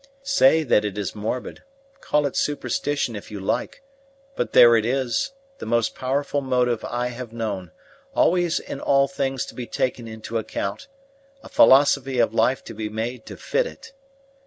Say that it is morbid call it superstition if you like; but there it is, the most powerful motive I have known, always in all things to be taken into account a philosophy of life to be made to fit it.